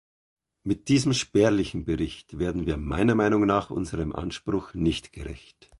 Mit diesem spärlichen Bericht werden wir meiner Meinung nach unserem Anspruch nicht gerecht.